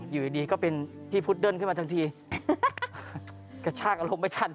อยู่ดีก็เป็นพี่พุทธเดินขึ้นมาทันทีกระชากอารมณ์ไม่ทัน